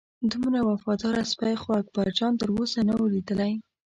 دومره وفاداره سپی خو اکبرجان تر اوسه نه و لیدلی.